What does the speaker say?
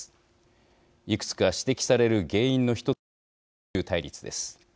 いくつか指摘される原因の一つが米中対立です。